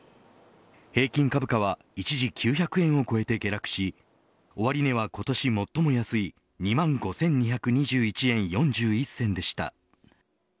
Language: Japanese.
平均株価は一時９００円を超えて下落し終値は今年最も安い２万５２２１円４１銭でした。